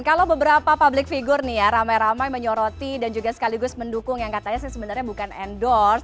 kalau beberapa public figure nih ya ramai ramai menyoroti dan juga sekaligus mendukung yang katanya sih sebenarnya bukan endorse